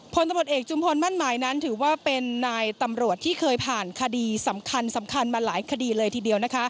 พลตำรวจเอกจุมพลมั่นหมายนั้นถือว่าเป็นนายตำรวจที่เคยผ่านคดีสำคัญสำคัญมาหลายคดีเลยทีเดียว